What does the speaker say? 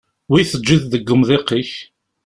Wi teǧǧiḍ deg wemḍiq-ik?